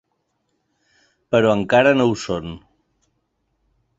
Però encara no ho són.